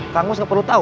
kamu sepenuh tahu